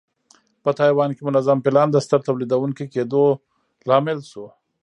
په تایوان کې منظم پلان د ستر تولیدوونکي کېدو لامل شو.